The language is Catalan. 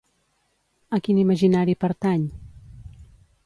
A quin imaginari pertany?